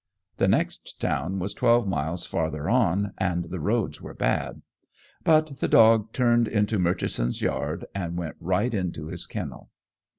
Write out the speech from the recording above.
The next town was twelve miles farther on, and the roads were bad. But the dog turned into Murchison's yard and went right into his kennel.